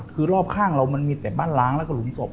คือรอบข้างเรามันมีแต่บ้านล้างแล้วก็หลุมศพ